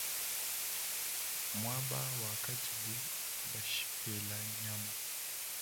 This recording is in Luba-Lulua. Muaba wakadibu bashipela nyama.